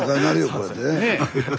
こうやってね。